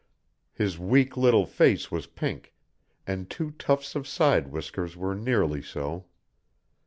His weak little face was pink, and two tufts of side whiskers were nearly so.